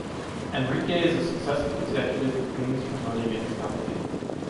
Enrique is a successful executive whose dream is promoting in his company.